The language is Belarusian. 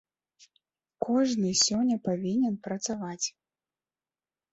Кожны сёння павінен працаваць.